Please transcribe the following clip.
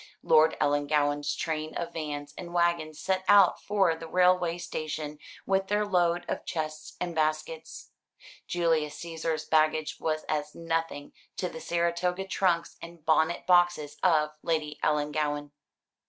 Lord Ellangowan's train of vans and waggons set out for the railway station with their load of chests and baskets. Julius Caesar's baggage was as nothing to the Saratoga trunks and bonnet boxes of Lady Ellangowan.